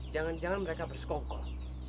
jangan jangan mereka bersekongkol